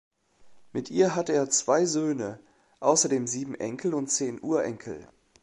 Mit ihr hatte er zwei Söhne, außerdem sieben Enkel und zehn Urenkel.